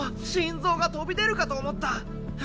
心臓が飛び出るかと思った！